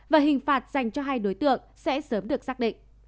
và hình phạt dành cho hai đối tượng sẽ sớm được xác định